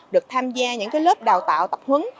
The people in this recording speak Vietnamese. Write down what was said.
được tham gia những lớp đào tạo tập huấn